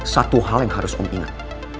satu hal yang harus om ingat